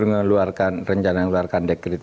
mengeluarkan rencana mengeluarkan dekret